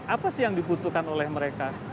apa sih yang dibutuhkan oleh mereka